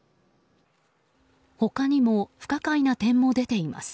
他にも不可解な点も出ています。